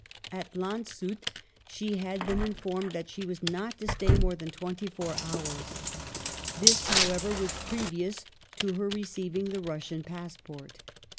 At Lanzut she had been informed that she was not to stay more than twenty four hours. This, however, was previous to her receiving the Rus sian passport.